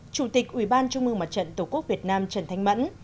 chủ tịch ủy ban trung mương mặt trận tổ quốc việt nam trần thanh mẫn